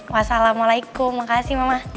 wassalamualaikum makasih mama